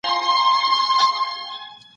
د ټولني ضعیفه طبقه په پام کي ونیسئ.